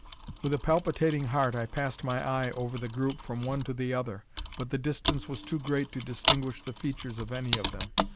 With a palpitating heart I passed my eye over the group from one to the other; but the distance was too great to distinguish the features of any of them.